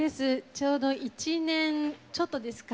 ちょうど１年ちょっとですか。